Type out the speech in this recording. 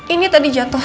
ini tadi jatuh